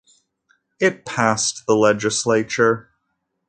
It passed the Legislature.